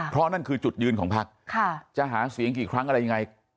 เพราะนั่นคือจุดยืนของพักจะหาเสียงกี่ครั้งอะไรยังไง